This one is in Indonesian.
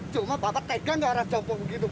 cuma bapak tegang gak orang jopo begitu pak